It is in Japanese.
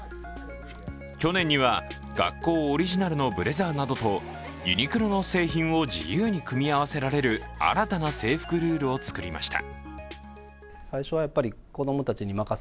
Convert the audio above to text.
去年には学校オリジナルのブレザーなどとユニクロの製品を自由に組み合わせられる新たな制服ルールを作りました。